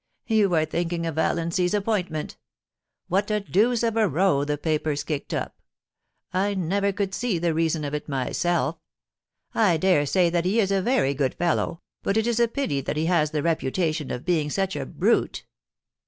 * You are thinking of Valiancy's appointment What a deuce of a row the papers kicked up ! I never could see the reason of it myself I dare say that he is a very good fellow, but it is a pity that he has the reputation of being such a brute.